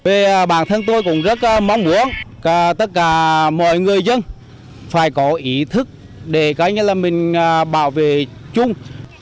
về bản thân tôi cũng rất mong muốn tất cả mọi người dân phải có ý thức để coi như là mình bảo vệ chung